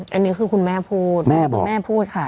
อันนี้คือคุณแม่พูดแม่พูดค่ะ